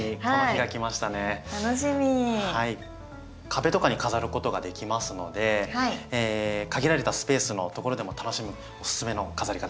壁とかに飾ることができますので限られたスペースのところでも楽しむおすすめの飾り方になります。